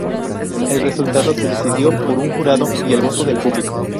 El resultado se decidió por un jurado y el voto del público.